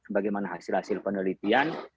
bagaimana hasil hasil penelitian